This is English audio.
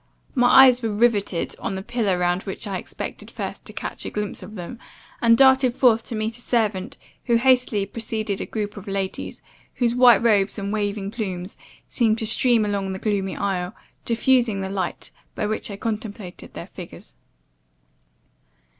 My eyes were rivetted on the pillar round which I expected first to catch a glimpse of them, and darted forth to meet a servant who hastily preceded a group of ladies, whose white robes and waving plumes, seemed to stream along the gloomy aisle, diffusing the light, by which I contemplated their figures.